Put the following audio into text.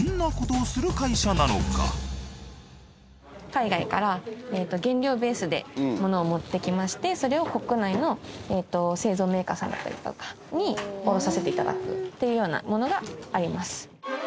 海外から原料ベースで物を持ってきましてそれを国内の製造メーカーさんだったりとかに卸させて頂くっていうようなものがあります。